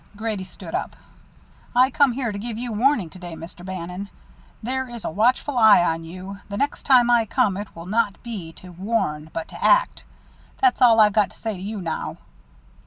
Grady stood up. "I come here to give you warning to day, Mr. Bannon. There is a watchful eye on you. The next time I come it will not be to warn, but to act. That's all I've got to say to you now."